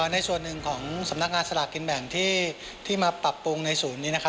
ในส่วนหนึ่งของสำนักงานสลากกินแบ่งที่มาปรับปรุงในศูนย์นี้